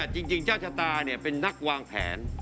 คุณเอ๋จริงชาวชะตายเป็นนักวางแผน